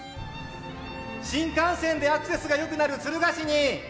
新幹線でアクセスがよくなる敦賀市に。